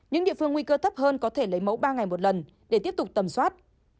những địa phương nguy cơ thấp hơn có thể lấy mẫu ba ngày một lần để tiếp tục tầm soát